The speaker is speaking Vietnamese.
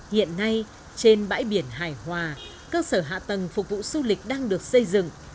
hiện nay trên bãi biển hải hòa cơ sở hạ tầng phục vụ du lịch đang được xây dựng